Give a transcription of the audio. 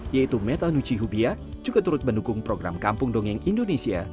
yaitu metanuchi hubia juga turut mendukung program kampung dongeng indonesia